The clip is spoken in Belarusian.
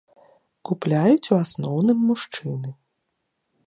Купляюць у асноўным мужчыны.